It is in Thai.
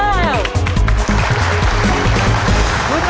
ออกแล้วครับเธอเลือกไป